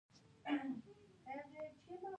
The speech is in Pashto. توپک له استاد ژوند اخلي.